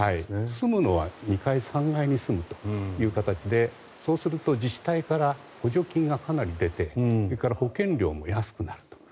住むのは２階、３階に住むということでそうすると自治体から補助金がかなり出て保険料も安くなると。